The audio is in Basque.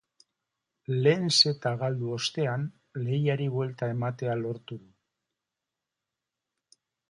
Lehen seta galdu ostean, lehiari buelta ematea lortu du.